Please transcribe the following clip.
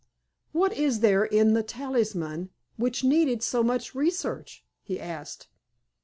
"What is there in 'The Talisman' which needed so much research?" he asked.